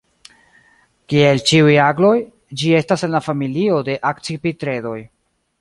Kiel ĉiuj agloj, ĝi estas en la familio de Akcipitredoj.